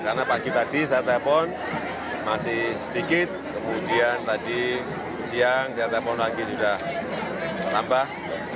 karena pagi tadi saya telepon masih sedikit kemudian tadi siang saya telepon lagi sudah tambah